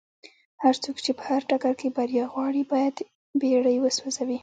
هرڅوک چې په هر ډګر کې بريا غواړي بايد بېړۍ وسوځوي.